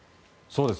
そうです。